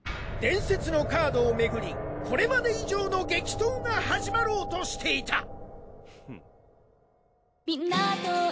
伝説のカードをめぐりこれまで以上の激闘が始まろうとしていた